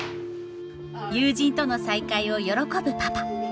友人との再会を喜ぶパパ。